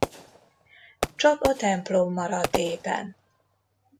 Csak a templom maradt épen.